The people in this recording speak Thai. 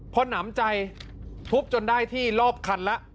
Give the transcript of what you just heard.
พอหนำใจทุบจนได้ที่รอบคันแล้ว